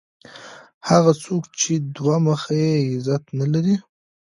هغه څوک چي دوه مخی يي؛ عزت نه لري.